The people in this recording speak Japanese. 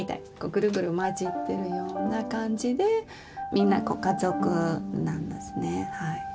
ぐるぐる混じってるような感じでみんな家族なんですねはい。